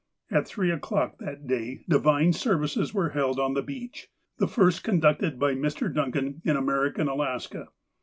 At three o'clock that day divine services were held on the beach, — the first conducted by Mr. Duncan in Amer ican Alaska.